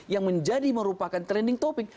yang menjadi merupakan trending topic